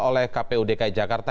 oleh kpu dki jakarta